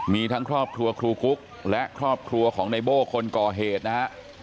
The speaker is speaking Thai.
มีทั้งครอบครัวครูกุ๊กและครอบครัวของในโบ้คนก่อเหตุนะฮะ